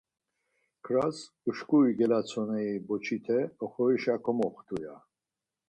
Kras uşkuri gelatsoneri boçite oxorişa komoxtu yaa.